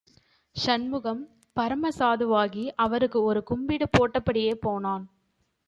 சண்முகம், பரம சாதுவாகி, அவருக்கு ஒரு கும்பிடு போட்டபடியே போனான்.